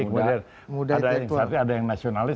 ada yang seharusnya ada yang nasionalis